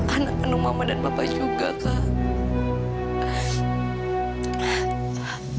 anak penuh mama dan bapak juga kak